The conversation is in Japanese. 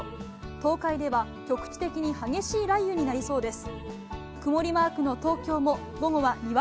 東海では局地的に激しい雷雨になりそうです。